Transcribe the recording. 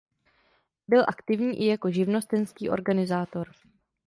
Byl aktivní i jako živnostenský organizátor.